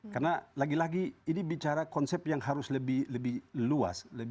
karena lagi lagi ini bicara konsep yang harus lebih luas